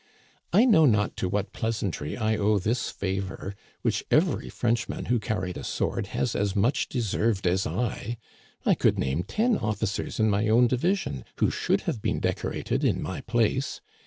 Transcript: I know not to what pleasantry I owe this favor, which every Frenchman who carried a sword has as much deserved as I. I could name ten officers in my own division who should have been decorated in my place.